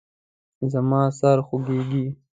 زما سر خوږیږي